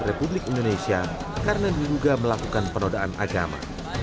republik indonesia karena diduga melakukan penodaan agama